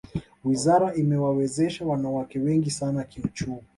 wizara imewawezesha wanawake wengi sana kiuchumi